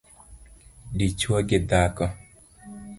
dichwo gi dhako